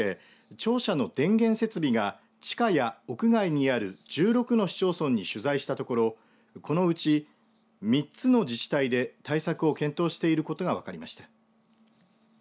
庁舎の電源設備が地下や屋外にある１６の市町村に取材したところこのうち３つの自治体で対策を検討していることが分かりました。